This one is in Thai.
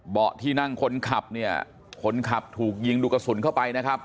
ที่นั่งคนขับเนี่ยคนขับถูกยิงดูกระสุนเข้าไปนะครับ